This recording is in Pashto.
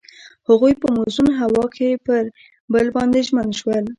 هغوی په موزون هوا کې پر بل باندې ژمن شول.